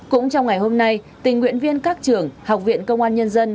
cũng trong ngày hôm nay tình nguyện viên các trường học viện công an nhân dân